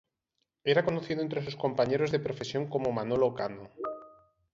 Era conocido entre sus compañeros de profesión como "Manolo Cano".